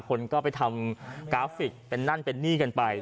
คนก็ไปทำกราฟิกเป็นนั่นเป็นนี่กันไป